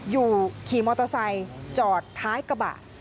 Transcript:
อยู่ขี่มอเตอร์ไซค์จอดท้ายกระบะ